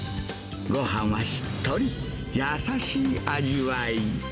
ごはんはしっとり、優しい味わい。